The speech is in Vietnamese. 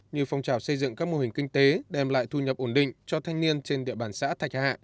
như phong trào xây dựng các mô hình kinh tế đem lại thu nhập ổn định cho thanh niên trên địa bàn xã thạch hạ